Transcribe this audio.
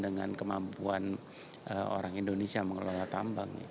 dengan kemampuan orang indonesia mengelola tambang